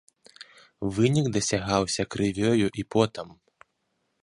Вынік дасягаўся крывёю і потам.